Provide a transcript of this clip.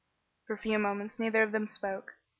For a few moments neither of them spoke.